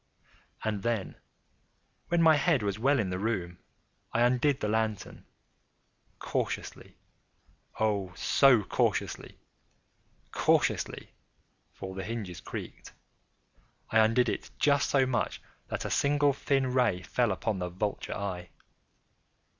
And then, when my head was well in the room, I undid the lantern cautiously—oh, so cautiously—cautiously (for the hinges creaked)—I undid it just so much that a single thin ray fell upon the vulture eye.